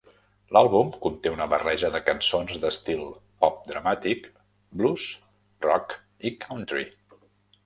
L'àlbum conté una barreja de cançons d'estil pop dramàtic, blues, rock i country.